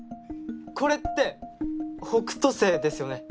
これって北斗星ですよね？